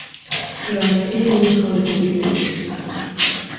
There are two new housing estates.